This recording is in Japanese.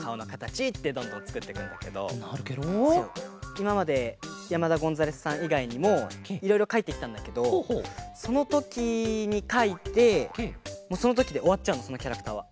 いままで山田ゴンザレスさんいがいにもいろいろかいてきたんだけどそのときにかいてもうそのときでおわっちゃうのそのキャラクターは。